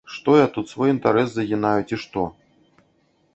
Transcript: Што я тут свой інтэрас загінаю, ці што?